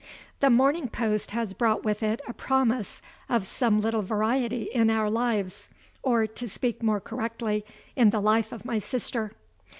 The morning post has brought with it a promise of some little variety in our lives or, to speak more correctly, in the life of my sister.